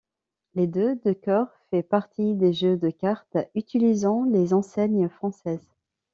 Le deux de cœur fait partie des jeux de cartes utilisant les enseignes françaises.